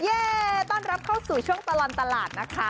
ต้อนรับเข้าสู่ช่วงตลอดตลาดนะคะ